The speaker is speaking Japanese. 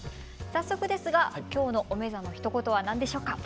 早速ですが今日の「おめざ」のひと言は何でしょうか？